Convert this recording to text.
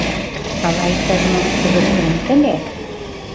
Ала иктаж-мом ургыктынет ыле?